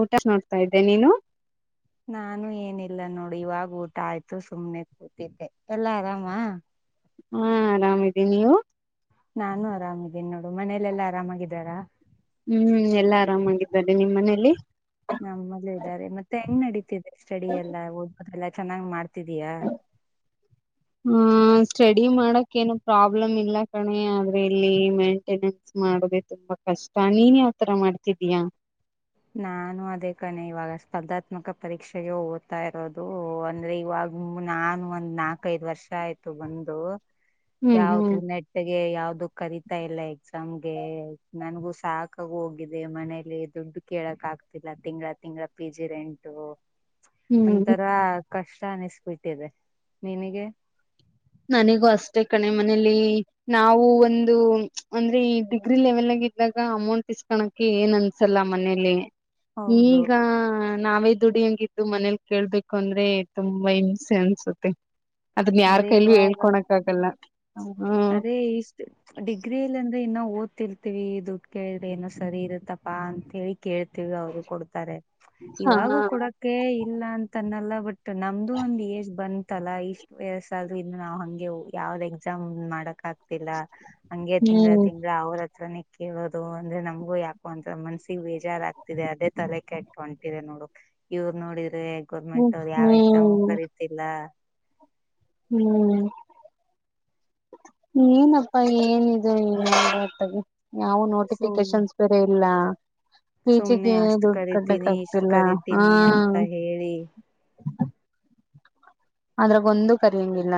ಊಟ ನೋಡ್ತಾ ಇದ್ದೆ ನೀನು ನಾನು ಏನಿಲ್ಲ ನೋಡಿ ಇವಾಗ ಊಟ ಆಯ್ತು ಸುಮ್ನೆ ಕೂತಿದ್ದೆ ಎಲ್ಲ ಆರಾಮ ಹಾ ಆರಾಮಿದಿ ನೀವು ನಾನು ಆರಾಮಿದ್ದೀನಿ ನೋಡು ಮನೆಯಲೆೆಲ್ಲಾ ಆರಾಮಾಗಿದ್ದಾರಾ ಹ್ಮ್ ಎಲ್ಲಾ ಆರಾಮಾಗಿದ್ದಾರೆ ನಿಮ್ಮ್ ಮನೇಲಿ ನಮ್ಮಲ್ಲೇ ಇದ್ದಾರೆ ಮತ್ತೆ ಹೆಂಗ್ ನಡೀತಿದೆ ಸ್ಟಡಿ ಎಲ್ಲ ಓದಬೋದಲ್ಲ ಚೆನ್ನಾಗಿ ಮಾಡ್ ತಿದಯಾ ಅಡಿ ಮಾಡಕ್ ಏನು ಪ್ರಾಬ್ಲಮ್ ಇಲ್ಲ ಕಣೆ ಆದ್ರೆ ಇಲ್ಲಿ ಮೇಂಟೆನೆನ್ಸ್ ಮಾಡೋಕೆ ತುಂಬಾ ಕಷ್ಟ ನೀನ್ ಯಾವತರ ಮಾಡ್ತಿದ್ದೀಯಾ ಮಾಡ್ತಿದೀಯಾ ನಾನು ಅದೇ ಕಣೆ ಇವಾಗ ಸ್ಪರ್ಧಾತ್ಮಕ ಪರೀಕ್ಷೆಗೆ ಓದ್ತಾ ಇರೋದು ಅಂದ್ರೆ ಇವಾಗ ನಾನು ಒಂದ್ ನಾಕ ಐದ ವರ್ಷ ಆಯ್ತು ಬಂದು ಹ್ಮ್ ಯಾವ್ದು ಹ್ಮ್ ನೆಟ್ಗೆ ಯಾವ್ದು ಕರಿತಾ ಇಲ್ಲ ಎಕ್ಸಾಮ್ಗೆ ನನ್ಗು ಸಾಕಾಗ ಹೋಗಿದೆ ಮನೆಯಲ್ಲಿ ದುಡ್ಡು ಕೇಳಕ್ ಆಗ್ತಿಲ್ಲ ತಿಂಗಳ ತಿಂಗಳ ಪಿ ಜಿ ರೆಂಟು ಹ್ಮ್ ಒಂತರ ಕಷ್ಟ ಅನ್ನಿಸಬಿಟ್ಟಿದೆ ನಿಮಗೆ ನನಗೂ ಅಷ್ಟೇ ಕಣೆ ಮನೇಲಿ ನಾವು ಒಂದು ಅಂದ್ರೆ ಈ ಡಿಗ್ರಿ ಲೆವೆಲ್ಗ ಇದ್ದಾಗ ಅಮೌಂಟ್ ಇಸ್ಕಳಕ ಏನ್ ಅನ್ಸಲ್ಲ ಮನೇಲಿ ಹೌದು ಈಗ ನಾವೇ ದುಡಿಯಂಗಿದ್ದು ಮನೇಲಿ ಕೇಳ್ಬೇಕು ಅಂದ್ರೆ ತುಂಬಾ ಹಿಂಸೆ ಅನ್ಸುತ್ತೆ ಅದನ್ನ ಅದೇ ಯಾರಾಗ ಇವಾಗ ಹೇಳ್ಕೊಳಕ್ಕ ಆಗಲ್ಲ ಅದೇ ಇಷ್ಟು ಡಿಗ್ರಿಲ್ಲ ಆದರೆ ಇನ್ನೋ ಓದ್ತಿರ್ತೀವಿ ದುಡ್ಡು ಕೇಳಿದ್ರೆ ಏನೋ ಸರಿ ಇರುತ್ತಪ್ಪಾ ಅಂತೇಳಿ ಕೇಳ್ತೀವಿ ಅವ್ರು ಕೊಡ್ತಾರೆ ಇವಾಗೂ ಕೊಡಕ ಇಲ್ಲ ಅಂತನ್ನೆಲ್ಲ ನಮ್ದು ಒಂದ್ ಏಜ್ ಬಂದ ತಲಾ ಇಷ್ಟು ವಯಸ್ಸ ಆದರು ಇನ್ನು ನಾವವು ಹಂ ಯಾವ್ದ್ ಎಕ್ಸಾಮ್ ಮಾಡಕ ಆಗ್ತಿಲ್ಲ ಹಂಗೆ ತಿಂಗಗಳ ಹ್ಮ್ ತಿಂಗ್ಗಳ ಅವ್ರ ನ ಕೇಳೋದು ಅಂದ್ರೆ ನಮಗೂ ಯಾಕೋ ಅಂತ ಮನ್ಸ ಬೇಜಾರ ಆಗ್ತಿದೆ ಅದೇ ತಲೆ ಕೆಟ್ಟ ಹೊಂಟಿದೆ ನೋಡು ಇವ್ರು ನೋಡಿ ಅದೆ ಗೌರ್ಮೆಂಟ್ ಅವ್ರು ಯಾವ್ ಎಕ್ಸಾಮು ಹ್ಮ್ ಕರಿತಿಲ್ಲ ಹ್ಮ್ ನೀನಪ್ಪಾ ಏನಿದು ಎ ಹೊಗತ್ತಗೆ ಯಾವ ಸುಮ್ ನೋಟಿಫಿಕೇಶನ್ಸ್ ಬೇರೆ ಇಲ್ಲ ಪಿ ಜಿ ಸುಮ್ನೆ ಗೆ ಅಷ್ಟ್ ದುಡ್ಡು ಕಟ್ಟಕ್ ಕರಿತೀನಿ ಇಷ್ಟ್ ಆಗ್ತಿಲ್ಲ ಹಾ ಕರಿತೀನಿ ಅಂತ ಹೇಳಿ ಆದ್ರಗೊಂದು ಕರಿಯಂಗಿಲ್ಲ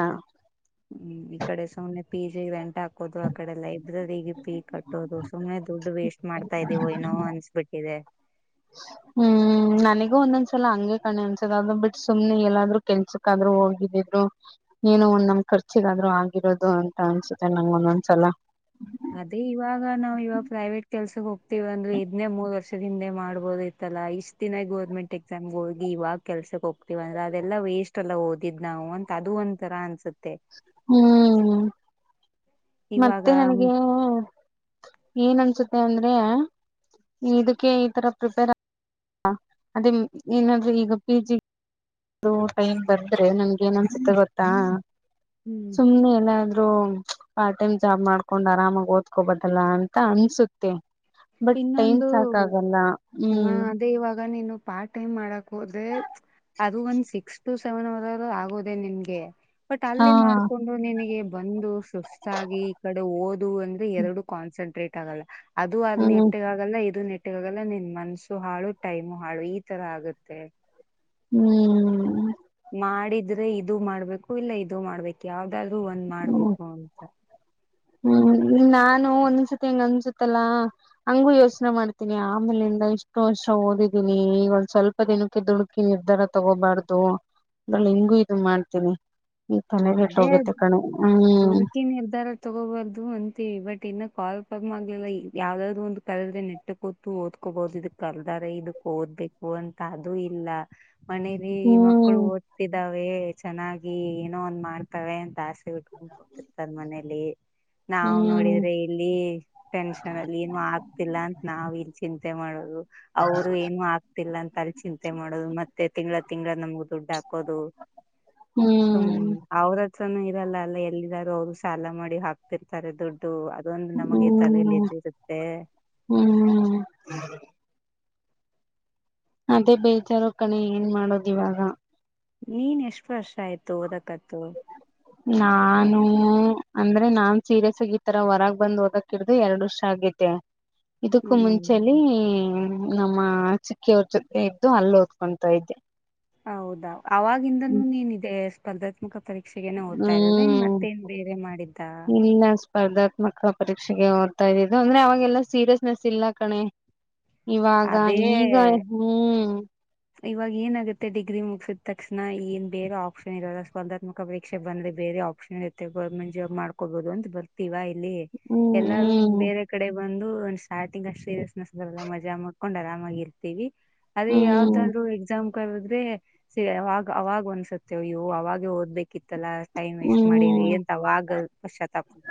ಹ್ಮ್ ಈ ಕಡೆ ಸುಮ್ನೆ ಪಿ ಜಿ ರೆಂಟ್ ಹಾಕೋದು ಆ ಕಡೆ ಲ್ಲೈ ಇದ್ರೆ ಈ ಪೀ ಕಟ್ಟೋದು ಸುಮ್ಮನೆ ದುಡ್ ವೇಷ್ಟು ಮಾಡ್ತಾ ಇದ್ದೀವೊ ಏನೋ ಅನ್ಸ್ಬಿಟ್ಟಿದೆ ಹ್ಮ್ ನನಗೂ ಒಂದೊಂದ್ಸಲ ಹಂಗೆ ಕಣೆ ಅನ್ಸುದು ಅದ್ ಬಿಟ್ ಸುಮ್ನೆ ಎಲ್ಲಾದ್ರು ಕೆಲ್ಸಕ್ಕಾದ್ರು ಹೋಗಿದಿದ್ರು ಏನೋ ಒಂದ್ ನಮ್ ಖರ್ಚಿಗಾದ್ರು ಆಗಿರೋದು ಅಂತ ಅನ್ಸುತ್ತೆ ನಂಗ ಒಂದೊಂದ್ಸಲ ಅದೇ ಇವಾಗ ನಾವು ಇವಾಗ ಪ್ರೈವೇಟ್ ಕೆಲ್ಸಕ್ ಹೋಗ್ತಿವಂದ್ರೆ ಇದ್ನೇ ಮೂರ್ ವರ್ಷದ ಹಿಂದೆ ಮಾಡಬೋದಗಿತ್ತಲ ಇಷ್ಟ್ ದಿನ ಗೋರ್ಮೆಂಟ್ ಎಕ್ಸಾಮ್ಗೆ ಹೋಗಿ ಇವಾಗ ಕೆಲ್ಸಕ್ ಹೋಗ್ತಿವಂದ್ರೆ ಅದೆಲ್ಲಾ ವೇಸ್ಟ್ ಎಲ್ಲ ಓದಿದ್ ನಾವು ಅಂತ ಅದು ಒಂದ್ ತರಾ ಅನ್ಸತ್ತ ಹ್ಮ್ ಇವಾಗ ಮತ್ತೆ ನನಗೆ ಏನ್ ಅನ್ಸುತ್ತೆ ಅಂದ್ರೆ ಇದಕ್ಕೆ ಈ ತರ ಪ್ರಿಪೇರ್ ಆ ಅದೇ ಏನಾದ್ರೆ ಈಗ ಪಿ ಜಿ ಅದು ಟೈಮ್ ಬಂದ್ರೆ ನಮ್ಗೆ ಏನ್ ಅನ್ಸುತ್ತೆ ಗೊತ್ತಾ ಹ್ಮ್ ಸುಮ್ನೆ ಏನಾದ್ರು ಪಾರ್ಟ್ ಟೈಮ್ ಜಾಬ್ ಮಾಡ್ಕೊಂಡ್ ಆರಾಮಾಗಿ ಓದ್ಕೋಬೊದಲ್ಲ ಅಂತ ಅನ್ಸುತ್ತೆ ಬಟ್ ಟೈಮ್ ಇನ್ನೊಂದು ಸಾಕಾಗಲ್ಲ ಹ ಹ್ಮ್ ಅದೇ ಇವಾಗ ನೀನು ಪಾರ್ಟ್ ಟೈಮ್ ಮಾಡಕ್ ಹೋದ್ರೆ ಅದು ಒಂದ್ ಸಿಕ್ಸ್ ಟು ಸೆವೆನ್ ಹವರ ಆಗೋದೆೇ ನಿನ್ಗೆ [inaudible] ಹಾ ಒಂದು ಸುಸ್ತಾಗಿ ಈ ಕಡೆ ಓದು ಅಂದ್ರೆ ಎರಡು ಕಾನ್ಸಂಟ್ರೇಟ್ ಅಗಲ್ಲ ಅದು ಅನ್ ಹ್ಮ್ ಆಗಲ್ಲ ಇದು ನೆಟ್ಟಾಗಲ್ಲ ನಿನ್ ಮನ್ಸು ಹಾಳು ಟೈಮು ಹಾಳು ಈ ತರ ಆಗುತ್ತೆ ಹ್ಮ್ ಮಾಡಿದ್ರೆ ಇದು ಮಾಡ್ಬೇಕು ಇಲ್ಲ ಇದು ಮಾಡ್ಬೇಕು ಯಾವ್ ದ್ರೂ ಒಂದ್ ಹ್ಮ್ ಮಾಡ್ಬೇಕು ಅಂತ ಹ್ಮ್ ನಾನು ಒಂದ್ಸತಿ ಹಂಗ್ ಅನ್ಸತಲ್ಲಾ ಹಂಗೂ ಯೋಚನೆ ಮಾಡ್ತೀನಿ ಆಮೇಲಿಂದ ಇಷ್ಟು ವರ್ಷ ಓದಿದೀನಿ ಈವಾಗ ಸ್ವಲ್ಪ ದಿನಕ್ಕೆ ದುಡುಕಿ ನಿರ್ಧಾರ ತಗೋಬಾರ್ದು ಅಂದ್ರಲ್ಲಿ ಹಿಂಗು ಇದ ಮಾಡ್ತೀನಿ ಈ ತಲೆ ಕೇಟ್ ಹೋಗುತ್ತೆ ಕಣೆ ಹ್ಮ್ ಹುಡುಕಿ ನಿರ್ಧಾರ ತಗೋಬಾರ್ದು ಅಂತೀವಿ ಬಟ್ ಇನ್ನ ಕಾಲ್ ಪರ್ ಮಾಡ್ಲಿಲ್ಲ ಯಾವ್ದಾದ್ರು ಒಂದು ಕಲದ್ರೆ ನೆಟ್ಟ ಕೊತ್ತು ಓದ್ಕೋಬಹುದು ಇದಕ್ ಕಲ್ದಾರೆ ಇದಕ್ ಓದ್ಬೇಕು ಅಂತ ಅದುೂ ಇಲ್ಲ ಮನೇಲಿ ಮಕ್ಕಳು ಹ್ಮ್ ಓದ್ತಿದ್ದಾವೆ ಚೆನ್ನಾಗಿ ಒಂದ್ ಮಾಡ್ತೇವೆ ಅಂತ ಆಸ್ತೆ ಟ್ಕೊಂಡ್ಕತಿರ್ತಾರ ಮನೇಲಿ ನಾವ್ ನೋಡಿದ್ರೆ ಇಲ್ಲಿ ಟೆನ್ಷನ್ ಅಲ್ಲಿ ಏನು ಆಗ್ತಿಲ್ಲ ಅಂತ ನಾವ್ ಇಲ್ಲಿ ಚಿಂತೆ ಮಾಡೋದು ಅವರು ಏನು ಆಗ್ತಿಲ್ಲ ಅಂತ ಅಲ್ಲಿ ಚಿಂತೆ ಮಾಡೋದು ಮತ್ತೆ ತಿಂಗಗಳ ತಿಂಗಗಳ ನಮಗ ದುಡ್ಡು ಹಾಕೋದು ಹ್ಮ ಹ್ಮ್ ಅವ್ರ ನ ಇರಲ್ಲ ಅಲ್ಲ ಎಲ್ಲಾರೂ ಅವರು ಸಾಲ ಮಾಡಿ ಹಾಕ್ತಿರ್ತಾರೆ ದುಡ್ಡು ಇದೊಂದು ಹ್ಮ್ ನಮಗೆ ತಲೆಯಲ್ಲಿ ಹ್ಮ್ ಸಿ ಇರುತ್ತೆ ಹ್ಮ್ ಅದೇ ಬೇಜಾರೋ ಕಣೆ ಏನ್ ಮಾಡದ ಇವಾಗ ನೀನ್ ಎಷ್ಟು ವರ್ಷ ಆಯ್ತು ಓದಕತ್ತು ನಾನು ಅಂದ್ರೆ ನಾನ್ ಸೀರಿಯಸ್ ಆಗಿ ಈತರ ಹೊರಗ ಬಂದ್ ಓದಕಿಡ್ದು ಎರಡು ವರ್ಷ ಆಗೇತೆ ಇದಕ್ಕೂ ಮುಂಚಲಿ ಹ್ಮ್ ನಮ್ಮ ಚಿಕ್ಕಿಯವ್ರ ಜೊತೆ ಇದ್ದು ಅಲ್ಲ ಓದ್ಕೊತಾ ಇದ್ದೆ ಹೌದಾ ಅವಾಗಿಂದನೂ ನೀನ್ ಇಿದೆ ಸ್ಪರ್ಾತ್ಕ ತರ ಯಕ್ಷಗನ ಓದ್ತಾರದನ್ ಹ್ಮ್ ಮತ್ತೇನ್ ಬೇರೆ ಮಾಡಿದ್ದ ಇಲ್ಲ ಸ್ಪರ್ಧಾತ್ಮಕ ಪರೀಕ್ಷೆಗೆ ಓದ್ತಾ ಇದಿದ್ದು ಅಂದ್ರೆ ಅವಾಗೆಲ್ಲಾ ಸೀರಿಯಸ್ನೆಸ್ ಇಲ್ಲ ಕಣೆ ಇವಾಗ ಅದೇ ಈಗ ಹ್ಮ್ ಇವಾಗ ಏನಾಗುತ್ತೆ ಡಿಗ್ರಿ ಮುಗಸಿದ ತಕ್ಷಣ ಏನ್ ಬೇರೆ ಆಪ್ಷನ್ ಇರಲ್ಲ ಸ್ಪರ್ಧಾತ್ಮಕ ಪರಕ್ಷೆ ಬಂದ್ರೆ ಬೇರೆ ಆಪ್ಷನ್ ಇರುತ್ತೆ ಗವರ್ಮೆಂಟ್ ಜಾಬ್ ಮಾಡ್ಕೋಬಹುದು ಅಂತ ಬರ್ತಿೀವ ಎಲ್ಲಾರು ಹಿ ಹ್ಮ್ ಬೇರೆ ಕಡೆ ಒಂದು ಸ್ಟಾರ್ಟಿಂಗ್ ಅಷ್ಟ್ ಸೀರಿಯಸ್ನೆಸ್ರಲ್ಲ ಮಜ ಮ ಹಕೊಂಡ್ ಆರಾಮಾಗಿ ಇರ್ತೀವಿ ಅದೇ ಹ್ಮ್ ಯಾವ್ದರು ಎಕ್ಸಾಮಂ ಕದ್ರೆ ಅವಾಗ ಅವಾಗ ಒನ್ಸುತ್ತೇವ ಇವು ಅವಾಗ ಓದ್ಬೇಕಿತ್ತಲ್ಲ ಟೈಮ್ ವೇಸ್ಟ್ ಮಾಡಿವಿ ಹ್ಮ್ ಎಂತವಾಗ ವಶಾಬವಿ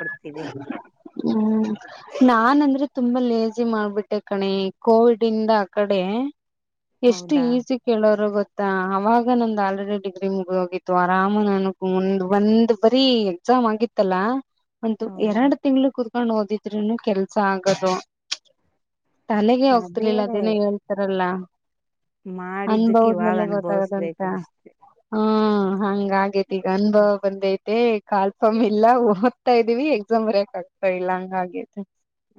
ಹ್ಮ್ ನಾ ನ್ಂದ್ರೆ ತುಂಬಾ ಲೇಜಿ ಮಾಡ್ಬಿಟ್ಟೆ ಕಣೆ ಕೋವಿಡ್ ಇಂದ ಆ ಕಡೆ ಎಷ್ಟು ಹೌದಾ ಈಸಿ ಕೇಳೋಾರ ಗೊತ್ತ ಅವಾಗ ನಂದು ಆಲ್ರೆಡಿ ಡಿಗ್ರಿ ಮುಗಿದೋಗಿತ್ತು ಆರಾಮ ನನಗ್ ಮುಂದ್ ಒಂದ್ ಬರಿ ಎಕ್ಸಾಮ್ ಆಗಿತ್ತಲ್ಲ ಒಂತ ಹೌದು ಎರಡು ತಿಂ್ಳ ಕೊಂಡ್ ಓದಿದ್ರನು ಕೆಲ್ಸ ಆಗದು ತಲೆಗೆ ಅದೇ ಹೋಗ್ತಿರ್ಲಿಲ್ಲ ಅದೇನ ಹೇಳ್ತಾರಲ್ಲ ಮಾಡಿದ್ದಕ್ಕೆ ಇವಾಗ ಅನ್ಬಹದ್್ಮೇಲೆ ಗೊತ್ತಾಗದಂತ ಅನುಭವಿಸ್ಬೇಕಷ್ಟೆ ಹ ಹಂಗೆ ಈಗ ಅನ್ಬಾ ಬಂದ ಮತ್ತೇ ಕಾಲ್ ಸ್ವಾಮಿ ಇಲ್ಲ ಆರ್ತಾ ಇದೀವಿ ಎಕ್ಸಾಮ್ ಬರಯಕ್ ಆಗ್ತಾ ಇಲ್ಲ ಹಂಗ ಹಾಗೇತಿ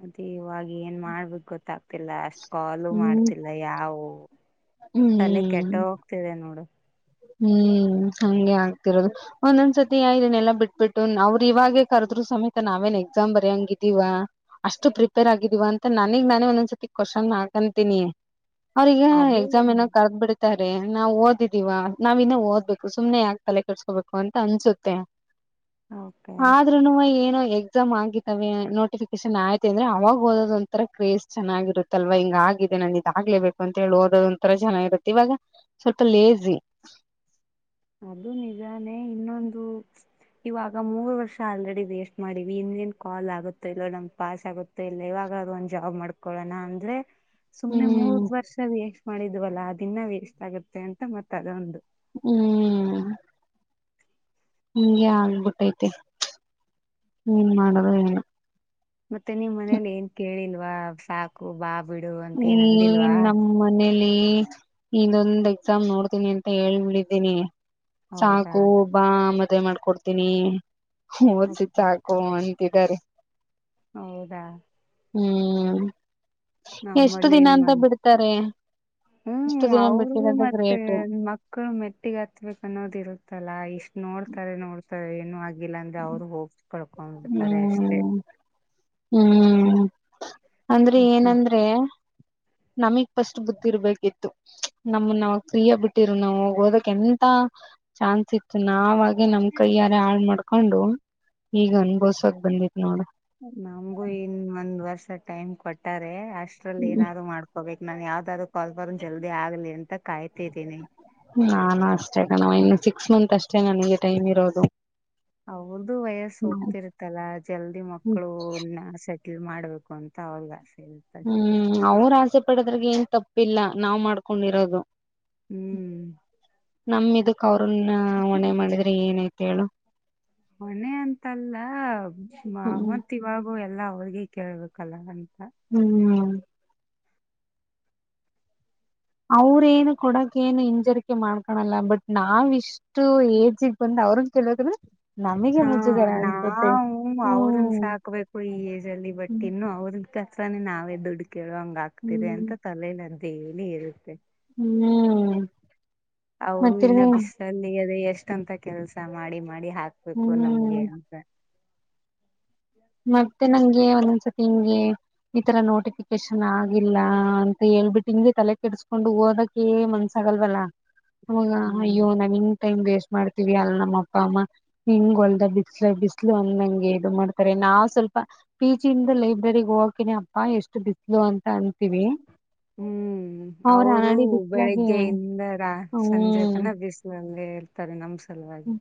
ಮದೇ ಇವಾಗ ಏನ್ ಮಾಡ್ಬೇಕು ಗೊತ್ತಾ ಆತಿಲ್ಲ ಅಷ್ಟ್ ಕಾಲು ಹ್ಮ್ ಮಾಡ್ತಿಲ್ಲ ಯಾವವು ತಲೆ ಕೆಟ್ಟ ಹೋಗ್ತಿದೆ ನೋಡು ಹ್ಮ್ ಹಗೆ ಆಗ್ತಿರೋದು ಒಂದೊಂದ್ಸತಿ ಯನೆ ಎಲ್ಲಾ ಬಿಟ್ಬಿಟ್ಟು ಅವ್ರರು ಇವಾಗೆ ಕರ್ದರು ಸಮೇತ ನಾವೇನ್ ಎಕ್ಸಾಮ್ ಬರಿಂಗಿದಿವ ಅಷ್ಟು ಪ್ರಿಪೇರ್ ಆಗಿದೀವ ಅಂತ ನನಗ್ ನಾನೇ ಒಂದೊಂದ್ಸತಿ ಕ್ವಶನ್ ಹಾಕಂತೀನಿ ಅವ್ರಗ ಅದೇ ಎಕ್ಸಾಮ್ ಏನ ಕರೆದ್ ಬಿಿಡ ನಾವು ಓದಿದ್ದ ೀವಾ ನಾವ ಇನ್ನ ಓದ್ಬೇಕು ಸುಮ್ನೆ ಯಾಕ ತಲೆ ಕಟ್ಸ್ಕೋಬೇಕು ಅಂತ ಅನ್ಸುತ್ತೆ ಓಕೆ ಆದ್ರೂನು ಏನೋ ಎಕ್ಸಾಮ್ ಆಗಿತಾವ ನೋಟಿಫಿಕೇಶನ್ ಆಯ್ತೆ ಅಂದ್ರೆ ಅವಾಗ ಓದೋ್ ಒಂಥರ ಕ್ರೇಜ್ ಚೆನ್ನಾಗಿರುತ್ತಲ್ವಾ ಹಿಂಗ ಆಗಿದೆ ನಾನ ಇದಾಗ್ಲೇಬೇಕು ಅಂತ ಹೇಳಿ ಓದೋದ ಒಂಂತರ ಚೆನ್ನಾಗಿರುತ್ತೆ ಇವಾಗ ಸ್ವಲ್ಪ ಲೇಜಿ [unintelligible] ಅದು ನಿಜಾನೆ ಇನ್ನೊಂದು ಇವಾಗ ಮೂರ್ ವರ್ಷ ಆಲ್ರೆಡಿ ವೇಸ್ಟ್ ಮಾಡಿವಿ ಇನ್ನೇನ್ ಕಾಲ್ ಆಗುತ್ತ ಇಲ್ಲ ನಮ್ ಪಾಸ್ ಆಗುತ್ತೋ ಇಲ್ಲ ಇವಾಗಾದ ಒಂದ್ ಜಾಬ್ ಮಾಡ್ಕೊಳೋಣ ಅಂದ್ರೆ ಸುಮ್ನೆ ಮೂರ್ ಹ್ಮ್ ವರ್ಷ ವೆ ಮಾಡಿದ್ವಲ್ಲಾ ಅದನ್ನ ವೇಸ್ಟ್ ಆಗುತ್ತೆ ಅಂತ ಮತ್ತ ಅದ ಒಂದು ಹ್ಮ್ ಹಿಂಗೇ ಆಗ್ಬಿಟ್ಟೈತೆ ಏನ್ ಮಾಡೋದು ಏನೋ ಮತ್ತೆ ನಿಮ್ ಮನೇಲಿ ಏನ್ ಕೇಳಿಲ್ಲ ಸಾಕು ಬಾ ಬಿಡು ಅಂತ ಹೇ ಏನ್ ಅಂದಿಲ್ವಾ ನಮ್ಮನೆ ಲ್ಲಿ ಇಂದೊಂದ್ ಎಕ್ಸಾಮ್ ನೋಡ್ತೀನಿ ಅಂತ ಹೇಳ್ಬಳಿದೀನಿ ಹೌದಾ ಸಾಕು ಬಾ ಮತ್ತೆ ಮದ್ವೆ ಮಾಡ್ಕೊಡ್ತೀನಿ ಓದುಸಿದು ಓಕೆ ಸಕ್ಕೋ ತಿದ್ದಾರೆ ಹೌದಾ ಹ್ಮ್ ಎಷ್ಟು ನಮ್ಮಲ್ಲಿ ದಿನ ಅಂತ ಏನ್ನ್ ಬಿಡ್ತಾರೆ ಹ್ಮ ಇಷ್ಟು ದಿನ ಅವ್ರಗೂ ಬಿಟ್ಟಿರೋದು ಮತ್ತೆ ಗ್ರೇಟು ಮಕ್ಕಳು ಮೆಟ್ಟಿಗ ಹತ್ಬೇಕ ಅನ್ನೋದ ಇರುತ್ತಲ್ಲ ಇಷ್ಟ ನೋಡ್ತಾರೆ ನೋಡ್ ಏನು ಆಗಿಲ್ಲ ಅಂದ್ರೆ ಅವರು ಹೋಗ [unintelligible] ಹ್ಮ್ ಹ್ಮ್ ಅಂದ್ರೆ ಏನಂದ್ರೆ ನಮ್ಮಿಗೆ ಫಸ್ಟ್ ಬುದ್ದಿ ಇರ್ಬೇಕಿತ್ತು ನಮ್ಮ ನಾವ ಫ್ರೀಯಗ್ ಬಿಟ್ಟಿರು ಓದೋಕ್ಕೆ ಎಂತ ಚಾನ್ಸ್ ಇತ್ತು ನಾವಾ ನಮ್ ಕೈಯಾರೆ ಹಾಳ್ ಮಾಡಾಕೊಂಡು ಈಗ ಗೋಸ್ ಬಂದಿ ನೋಡ ನಮ್ಗೂ ಇನ್ ಒಂದ್ ವರ್ಷ ಟೈಮ್ ಕೊಟ್ಟಾರೆ ಅಷ್ಟ್ರಲ್ಲಿ ಏನಾದ್ರು ಮಾಡ್ಕೋಬೇಕು ನನ್ ಯಾವದ್ರು ಕಾಲ್ ಬರ್ನ್ ಜಲ್ದಿ ಆಗ್ಲಿ ಅಂತ ಕಾಯ್ತಿದ್ದೀನಿ ನಾನು ಅಷ್ಟೇ ಇನ್ನು ಸಿಕ್ಸ್ ಮಂತ್ ಅಷ್ಟೇ ನನಗೆ ಟೈಮ್ ಇರೋದು ಅವ್ರದು ವಯಸ್ಸು ಹ್ಮ್ ಹೋಗ್ತಿರ್ತ್ತಲ್ಲ ಜಲ್ದಿ ಮಕ್ಕಳು ನಶ ಮಾಡ್ಬೇಕು ಅಂತ ಅವ್ರಗ ಆಸೆ ಇರ್ತದೆ ಹ್ಮ್ ಅವ್ರು ಆಸೆ ಪಡೋದ್ರಗೆ ಏನ್ ತಪ್ಪಿಲ್ಲ ನಾವ್ ಮಾಡ್ಕೊಂಡಿರೋದು ಹ್ಮ್ ನಮ್ ಇದಕ್ ಅವ್ರನ್ನ ಒಣೆ ಮಾಡಿದ್ರೆ ಏನೈತಿ ಹೇಳು ಹೊಣೆ ಅಂತಲ್ಲ ಮ ಹ್ಮ್ ಮತ್ ಇವಾಗ ಎ ಎಲ್ಲ ಅವ್ರರಿಗೆ ಕೇಳ್ಬೇಕಲ್ಲ ನನ್ ಹ್ಮ್ ಅವ್ರೇ ಏನು ಕೊಡಕ್ ಏನು ಹಿಂಜರಿಕೆ ಮಾಡ್ಕೊಳಲ್ಲ ಬಟ್ ನಾವ ಇಷ್ಟು ಏಜಗ್ ಬಂದ ಅವ್ರಂಗ ಕೆಲಕ್ ಹಾ ನಾವು ಅವ್ರನ್ ಹ್ಮ್ ಸಾಕ್ಬೇಕು ಈ ಏಜ್ ಅಲ್ಲಿ ಬಟ್ ಇನ್ನು ಅವ್ರನ್ ಕ ತನೆ ನಾವೇ ದುಡಿ ಕೇಳುವಂಗ ಆಗ್ತಿರಿ ಹ್ಮ್ ಅಂತ ತಲೆಲರ ಡೈಲಿ ಇರುತ್ತೆ ಹ್ಮ್ ಅವ್ರು ಮತ್ತೆ ಇನ್ನ ಬಿಸನ್ಗದೆಷ್ ಎಷ್ಟಂತ ಕೆಲ್ಸ ಮಾಡಿ ಮಾಡಿ ಹಾಕ್ಬೇಕು ಹ್ಮ್ ನಮ್ಗೆ ಅಂತ ಮತ್ತೆ ನಂಗೆ ಒಂದೊಂದ್ಸತಿ ಹಿಂಗೆ ಈ ತರ ನೋಟಿಫಿಕೇಶನ್ ಆಗಿಲ್ಲ ಅಂತ ಹೇಳ್ಬಿಟ್ಟು ಹಿಂಗೆ ತಲೆ ಕೆಡ್ಸ್ಕೊಂಡು ಓದಕ್ಕೆ ಮನ್ಸಗಲ್ವಲ್ಲ ಹ ಹ್ಮ್ ಅಯ್ಯೋ ನಾ ನಿಂಗ್ ಟೈಮ್ ವೆಸ್ ಮಾಡ್ತೀವಿ ಅಲ್ ನಮ್ಮ ಅಪ್ಪ ಅಮ್ಮ ಹಿಂಗ ಹೊಲ್ದ ಬಿಸಲ ಬಿಸಲು ಅಂದಂಗೆ ಇದು ಮಾಡ್ತ ನಾವ್ ಸ್ವಲ್ಪ ಪಿ ಜಿಯಿಂದ ಲೈಬ್ರರಿಗ್ ಹೋಗಕಿನಿ ಅಪ್ಪಾ ಎಷ್ಟು ಬಿಸ್ಲು ಅಂತ ಅನಂತೀವಿ ಹ್ಮ್ ಅವ್ರ ಅವರು ಅಡಿ ಬಿಸಲಾಗಿ ಬೆಳಿಗ್ಗೆಯಿಂದ ರಾ ಸಂಜೆ ಹ್ಮ್ ತನ ಬಿಸಿಲಲ್ಲೇ ಇರ್ತಾರೆ ನಮ್ ಸಲುವಾಗಿ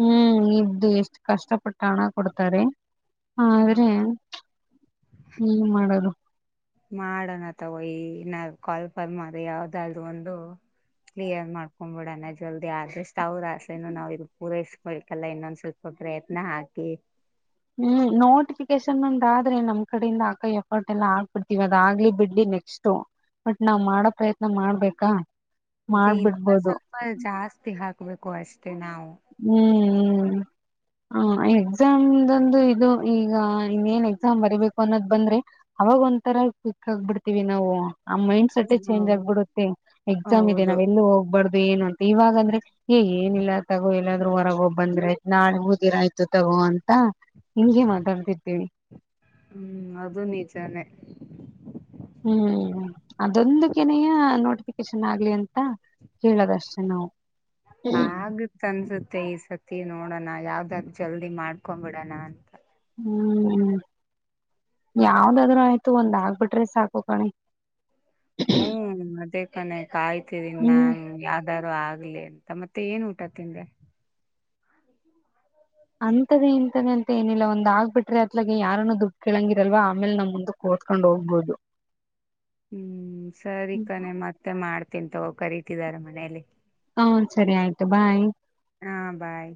ಹ್ಮ್ ಇದ್ದು ಎಷ್ಟು ಕಷ್ಟ ಪಟ್ಟ ಹಣ ಕೊಡ್ತಾರೆ ಆದ್ರೆ ಹ್ಮ್ ಮಾಡದು ಮಾಡೋಣ ತಗೋಯಿ ನ ಕಾಲ್ಪಲ್ ಮ್ರ ಯಾವ್ದಾದೂ ಒಂದು ಕ್ಲಿಯರ್ ಮಾಡ್ಕೊಬಿಡಣ ಜಲ್ದಿ ಆದ್ರೆಷ್ಟಾವ್ರ ಆಸೆನು ನಾವ್ ಇದ ಪೂರೈಸ್ಬೇಕಲ್ಲ ಇನ್ನೊಂದ್ ಸ್ವಲ್ಪ ಪ್ರಯತ್ನ ಹಾಕಿ ಹ್ಮ್ ನೋಟಿಫಿಕೇಶನ್ ನೋಂದಾದ್ರೆ ನಮ್ ಕಡೆಯಿಂದ ಆಕ ಎಫರ್ಟ್ ಎಲ್ಲಾ ಆಗ್ಬಿಡ್ತೀವಿ ಅದ ಆಗ್ಲಿ ಬಿಡ್ಲಿ ನೆಕ್ಸ್ಟ್ ಬಟ್ ನಾವ್ ಮಾಡೋ ಪ್ರಯತ್ನ ಮಾಡ್ಬೇಕಾ ಅದೇ ಇನ್ನ ಮಾಡ್ಬಿಡ್ಬೋದು ಸ್ವಲ್ಪ ಜಾಸ್ತಿ ಹಾಕ್ ಸಿಕ್ಬೇಕು ಅಷ್ ಹ್ಮ್ ಹ್ಮ್ ಹ್ಮ್ ಹ ಎಕ್ಸಾಮಂದು ಇದು ಈಗ ಇನ್ನ ಏನ್ ಎಕ್ಸಾಮ್ ಬರಿಬೇಕು ಅನ್ನೋದ್ ಬಂದ್ರೆ ಅವಾಗ ಒಂಥರ ಕಕ್ ಆಗ್ಬಿಡ್ತೀವಿ ನಾವು ಆ ಮೈಂಡ್ಸೆಟ್ಚೇಂಜ್ ಆಗ್ಬಿಡುತ್ತೆ ಎಕ್ಸಾಮ್ ಇದೆ ಹೌದು ನಾವ ಎಲ್ಲ ಹೋಗ್ಬಾರ್ದು ಏನು ಅಂತ ಇವಾಗ ಅಂದ್ರೆ ಏ ಏನಿಲ್ಲ ಎಲ್ಲಾದ್ರೂ ಹೊರಗೆ ಹೋಗ ಬಂದ್ರೆ ನಾಳೆ ಹಊದಿರ ಆಯ್ತು ತಗೋ ನಿಂಗೆ ಮಾತಾಡ್ತಿರ್ತಿವಿ ಹ್ಮ್ ಅದು ನಿಜಾನೇ ಹ್ಮ್ ಅದೊಂದು ಕೆನೆಯ ನೋಟಿಫಿಕೇಶನ್ ಆಗ್ಲಿ ಅಂತ ಕೇಳದಷ್ಟೇ ನಾವು ಆಗುತ್ ಅನ್ಸುತ್ತೆ ಈ ಸತಿ ನೋಡೋಣ ಯಾವ್ ಅದಾಗ ಜಲ್ದಿ ಮಾಡ್ಕೊಬಿಡೋಣ ಅಂತ ಹ್ಮ್ ಯಾವ್ದಾದ್ರೂ ಆಯ್ತು ಒಂದ್ ಆಗ್ಬಿಟ್ರೆ ಸಾಕುಕಣೆ ಹ್ಮ್ ಅದೇ [inaudible] ಕಾಯ್ತೀರಿಿ ಹ್ಮ್ ನಾನ್ ಯಾವ್ದ್ು ಆಗ ಆಗ್ ಅಂತ ಮತ್ತೆ ಏನ್ ಊಟ ತಿಂದೆ ಅಂತದೆೇ ಇಂತದೆ ಅಂತ ಏನಿಲ್ಲ ಒಂದ್ ಆಗ್ಬಿಟ್ರಿ ಅತ್ಲಗೆ ಯಾರನ್ನು ದುಡ್ ಕೇಳಳಂಗಿರಲ್ವಾ ಆಮೇಲೆ ನಮ್ ಮುಂದ ಕೂತ್ಕೊಂಡ್ ಹೋಗ್ಬಹುದು ಹ್ಮ್ ಸರಿ ಹ್ಮ್ ಕನೆ ಮತ್ತೆ ಮಾಡ್ತ ತಿಂತವು ಕರಿ ಇಟ್ಟಿದ್ದಾರೆ ಮನೆಯಲ್ಲಿ ಹ್ಮ ಸರಿ ಆಯ್ತು ಬಾಯ್ ಹಾ ಬಾಯ್